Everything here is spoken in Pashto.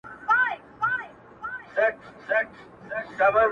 جنگ دی سوله نه اكثر_